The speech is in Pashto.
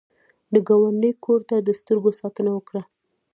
د ګاونډي کور ته د سترګو ساتنه وکړه